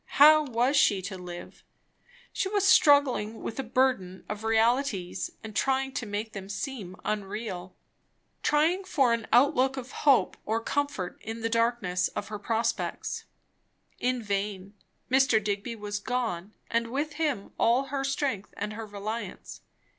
how was she to live? She was struggling with a burden of realities and trying to make them seem unreal, trying for an outlook of hope or comfort in the darkness of her prospects. In vain; Mr. Digby was gone, and with him all her strength and her reliance.